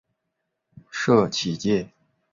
社企界